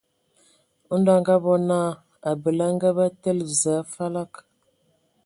Ndɔ a ngabɔ naa, abəl a ngabə tǝ̀lə Zəə a falag.